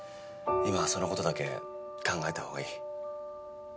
今はそのことだけ考えた方がいい。